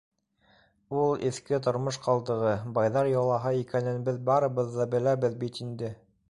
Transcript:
Ул - иҫке тормош ҡалдығы, байҙар йолаһы икәнен беҙ барыбыҙ ҙа беләбеҙ бит инде.